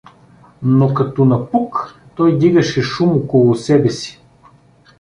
Но като напук той дигаше шум около себе си.